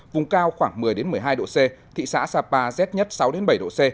vùng cao khoảng một mươi một mươi hai độ c thị xã sapa rét nhất sáu bảy độ c